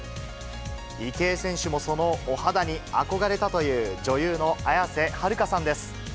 池江選手もそのお肌に憧れたという女優の綾瀬はるかさんです。